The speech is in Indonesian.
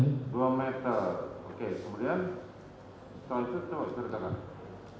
setelah itu coba ceritakan